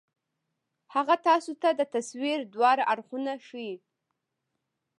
هغه تاسو ته د تصوير دواړه اړخونه ښائي